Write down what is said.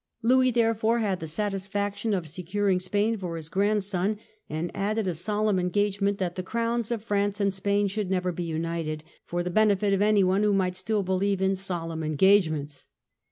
Louis therefore had the satisfaction of securing Spain for his grandson, and added a solemn engagement that the crowns of France and Spain should never be united, for the benefit of anyone who might still believe in solemn engagements.